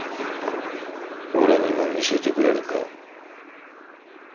俺にも見せてくれるか？